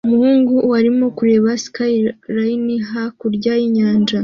Umuhungu arimo kureba skyline hakurya y'inyanja